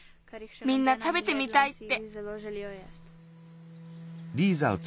みんなたべてみたいって。